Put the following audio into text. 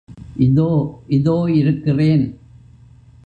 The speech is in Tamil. இதோ இதோ இருக்கிறேன்.